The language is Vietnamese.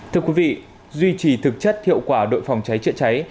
thưa quý vị duy trì thực chất hiệu quả đội phòng cháy chữa cháy